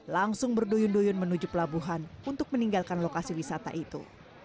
langsung berduyun duyun menuju pelabuhan untuk meninggalkan lokasi wisata itu